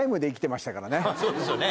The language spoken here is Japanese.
そうですよね。